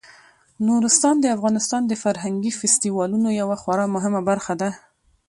نورستان د افغانستان د فرهنګي فستیوالونو یوه خورا مهمه برخه ده.